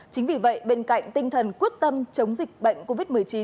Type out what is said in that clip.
chính vì vậy bên cạnh tinh thần quyết tâm chống dịch bệnh covid một mươi chín